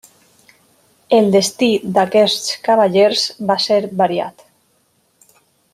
El destí d'aquests cavallers va ser variat.